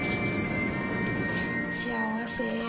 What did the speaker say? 幸せ。